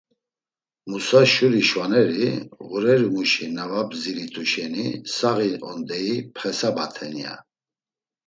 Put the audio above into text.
Musa şuri şvaneri: “Ğurerimuşi na va bziritu şeni saği on deyi pxesabaten.” ya.